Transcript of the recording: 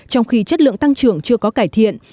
trong khi chất lượng tăng trưởng chưa có cải thiện